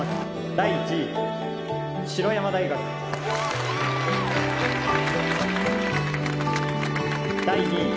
第１位白山大学・第２位